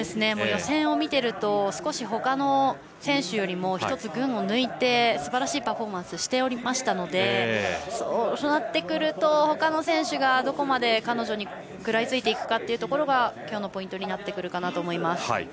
予選を見ていると少し、ほかの選手よりも１つ群を抜いて、すばらしいパフォーマンスしてたのでそうなってくると、ほかの選手がどこまで彼女に食らいついていくかがポイントになると思います。